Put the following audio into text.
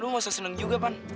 lu gak usah seneng juga kan